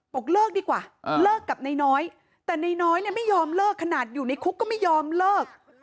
บอกเลิกดีกว่าเลิกกับนายน้อยแต่นายน้อยเนี่ยไม่ยอมเลิกขนาดอยู่ในคุกก็ไม่ยอมเลิก